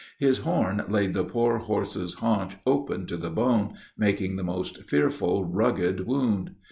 His horn laid the poor horse's haunch open to the bone, making the most fearful rugged wound.